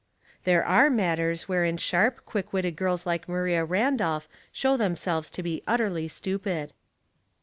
There are matters wherein sharp, quick witted girls like Maria Randolph show themselves to be utterly stupid.